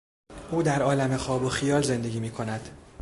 او در عالم خواب و خیال زندگی میکند.